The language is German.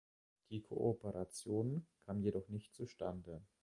Die Kooperation kam jedoch nicht zustande.